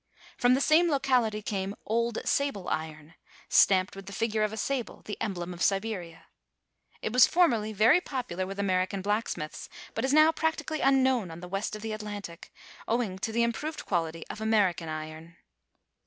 From the same locality came "Old Sable iron," stamped with the figure of a sable, the emblem of Siberia. It was formerly very popular with American blacksmiths but is now practically unknown on the west of the Atlantic owing to the improved quality of Ameri can iron.